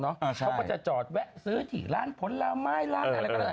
เขาก็จะจอดแวะซื้อถี่ร้านผลละไม้ละอะไร